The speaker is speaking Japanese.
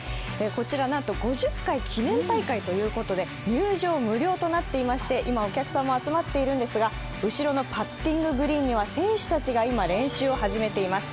こちら、なんと５０回記念大会ということで入場無料となっていまして今お客さんの集まっているんですが後ろのパッティングエリアには選手たちが今、練習を始めています。